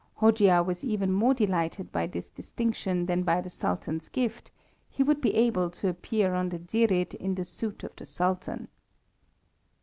Hojia was even more delighted by this distinction than by the Sultan's gift; he would be able to appear on the Dzsirid in the suite of the Sultan.